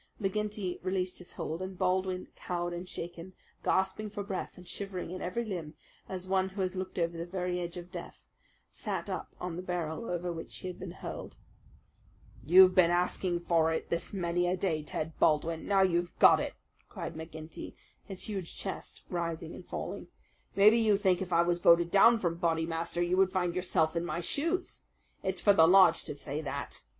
McGinty released his hold, and Baldwin, cowed and shaken gasping for breath, and shivering in every limb, as one who has looked over the very edge of death, sat up on the barrel over which he had been hurled. "You've been asking for it this many a day, Ted Baldwin now you've got it!" cried McGinty, his huge chest rising and falling. "Maybe you think if I was voted down from Bodymaster you would find yourself in my shoes. It's for the lodge to say that.